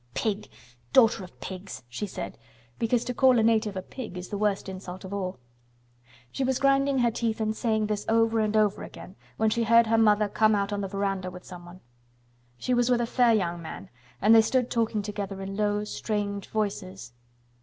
Pig! Daughter of Pigs!" she said, because to call a native a pig is the worst insult of all. She was grinding her teeth and saying this over and over again when she heard her mother come out on the veranda with someone. She was with a fair young man and they stood talking together in low strange voices.